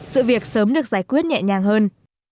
sự việc sớm được giải quyết nhẹ nhàng hơn